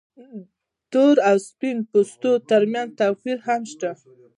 تور او سپین پوستو تر منځ توپیرونه شته.